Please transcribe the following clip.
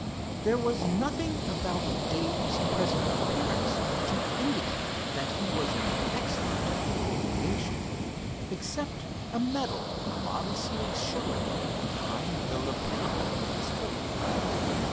There was nothing about Dave's present appearance to indicate that he was an expert in aviation except a medal modestly showing beyond the lapel of his coat.